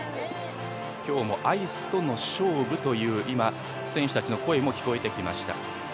今日もアイスとの勝負という今、選手たちの声も聞こえてきました。